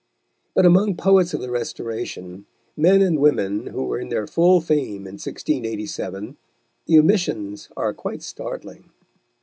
But among Poets of the Restoration, men and women who were in their full fame in 1687, the omissions are quite startling.